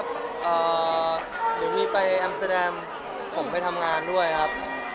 ก็อยู่ที่ไปอัมเซดแดมผมไปทำงานด้วยครับ